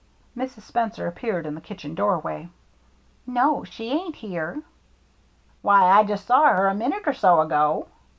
Mrs. Spencer appeared in the kitchen door way. " No, she ain't here." " Why, I just saw her a minute or so ago."